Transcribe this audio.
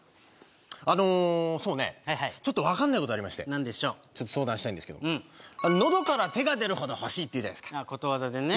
あのそうねちょっとわかんないことありまして何でしょうちょっと相談したいんですけど「喉から手が出るほど欲しい」って言うじゃないすかことわざでね